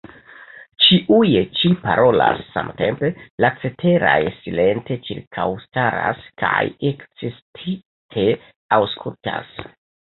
Ĉiuj ĉi parolas samtempe; la ceteraj silente ĉirkaŭstaras, kaj ekscitite aŭskultas.